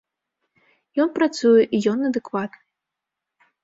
Ён працуе, і ён адэкватны.